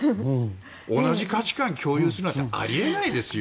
同じ価値観を共有するなんてあり得ないですよ。